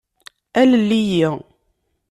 Alel-iyi.